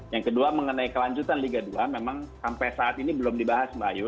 yang kedua mengenai kelanjutan liga dua memang sampai saat ini belum dibahas mbak ayu